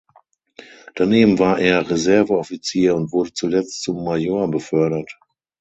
Daneben war er Reserveoffizier und wurde zuletzt zum Major befördert.